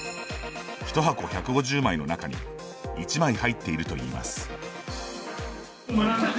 １箱１５０枚の中に１枚、入っているといいます。